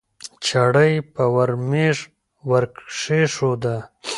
چړه یې په ورمېږ ورکېښوده